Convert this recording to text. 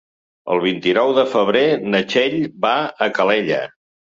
El vint-i-nou de febrer na Txell va a Calella.